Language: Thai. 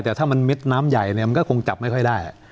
แต่ถ้ามันเม็ดน้ำใหญ่เนี่ยมันก็คงจับไม่ค่อยได้